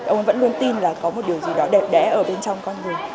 ông vẫn luôn tin là có một điều gì đó đẹp đẽ ở bên trong con người